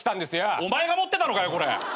お前が持ってたのかよ！